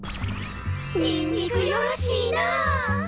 にんにくよろしいなあ！